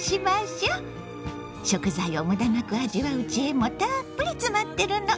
食材を無駄なく味わう知恵もたっぷり詰まってるの。